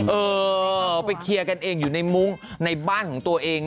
เออไปเคลียร์กันเองอยู่ในมุ้งในบ้านของตัวเอง